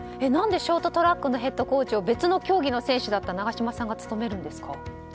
何でショートトラックのヘッドコーチを別の競技の選手だった長島さんが務めるんですか？